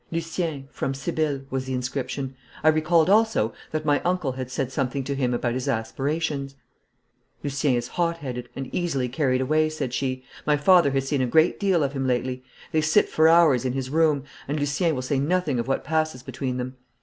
'Lucien, from Sibylle,' was the inscription. I recalled also that my uncle had said something to him about his aspirations. 'Lucien is hot headed, and easily carried away,' said she. 'My father has seen a great deal of him lately. They sit for hours in his room, and Lucien will say nothing of what passes between them.